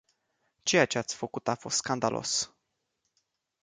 Ceea ce ați făcut a fost scandalos!